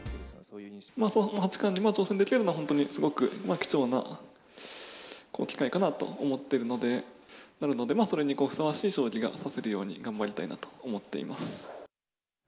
八冠に挑戦できるのは、本当にすごく貴重な機会かなと思ってるので、なので、それにふさわしい将棋が指せるように頑張りたいなと思っています。